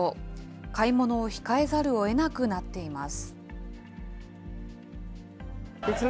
買い物を控えざるをえなくなっています。